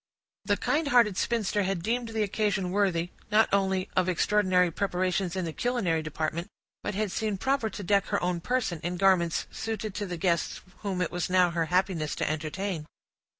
The kind hearted spinster had deemed the occasion worthy, not only of extraordinary preparations in the culinary department, but had seen proper to deck her own person in garments suited to the guests whom it was now her happiness to entertain.